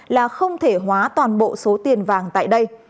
là không thể hóa toàn bộ số tiền vàng tại đây